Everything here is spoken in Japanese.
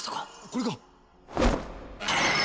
これか！